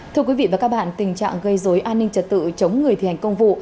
thưa quý vị và các bạn tình trạng gây dối an ninh trật tự chống người thi hành công vụ